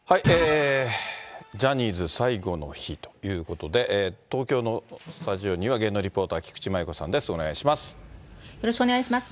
ジャニーズ最後の日ということで、東京のスタジオには、芸能リポーター、菊池真由子さんです、よろしくお願いします。